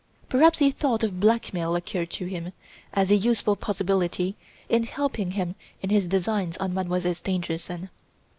Perhaps a thought of blackmail occurred to him as a useful possibility in helping him in his designs on Mademoiselle Stangerson.